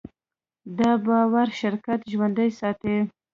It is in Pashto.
دا باور شرکت ژوندی ساتي.